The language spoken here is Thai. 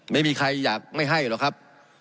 ไม่มีใครอยากไม่ให้หรอกครับ